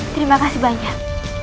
terima kasih banyak